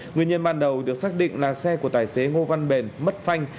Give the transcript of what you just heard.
nguyên nhân ban đầu được xác định là xe của tài xế ngô văn bền mất phanh